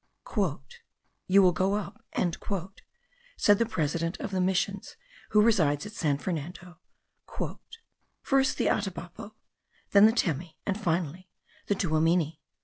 "You will go up," said the president of the missions, who resides at San Fernando, "first the Atabapo, then the Temi, and finally, the Tuamini.